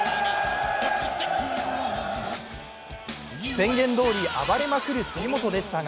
宣言どおり暴れまくる杉本でしたが